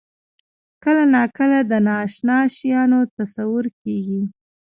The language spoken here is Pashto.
کله ناکله د نااشنا شیانو تصور کېږي.